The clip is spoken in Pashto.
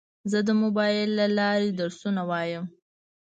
زه د موبایل له لارې درسونه وایم.